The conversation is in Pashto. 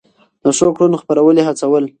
د ښو کړنو خپرول يې هڅول.